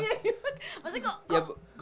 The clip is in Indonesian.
gak tau mas gimana sih mas